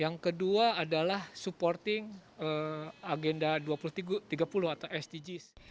yang kedua adalah supporting agenda tiga puluh atau sdgs